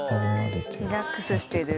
リラックスしてる。